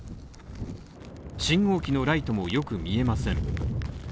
信号機のライトもよく見えません。